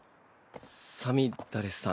さみだれさん。